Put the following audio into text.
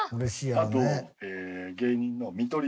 あと芸人の見取り図が。